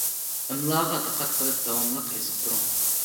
ئىملاغا دىققەت قىلىپ داۋاملىق يېزىپ تۇرۇڭ.